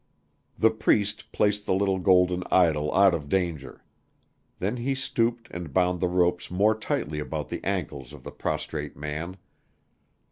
The Priest placed the little golden idol out of danger. Then he stooped and bound the ropes more tightly about the ankles of the prostrate man.